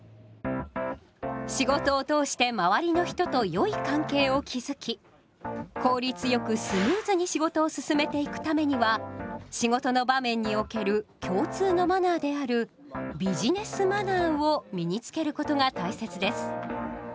仕事を通して周りの人とよい関係を築き効率よくスムーズに仕事を進めていくためには仕事の場面における共通のマナーであるビジネスマナーを身につけることが大切です。